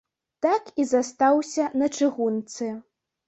Так і застаўся на чыгунцы.